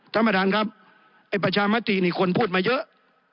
ท่านประธานครับไอ้ประชามตินี่คนพูดมาเยอะ